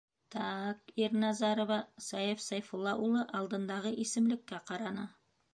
Та-ак, Ирназарова, - Саяф Сәйфулла улы алдындағы исемлеккә ҡараны.